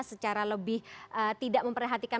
secara lebih tidak memperhatikan